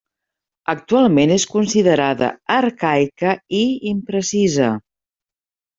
Actualment és considerada arcaica i imprecisa.